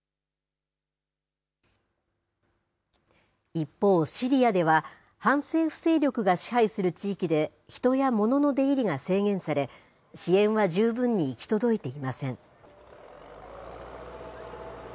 一方、シリアでは、反政府勢力が支配する地域で、人や物の出入りが制限され、支援は十分に行き届いていません。